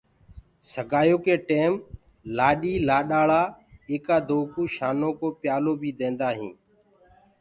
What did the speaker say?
سگآيو ڪي ٽيم لآڏيٚ لآڏآݪآ آيڪا دو ڪوُ شآنو ڪو پيالو بي ديندآ هينٚ۔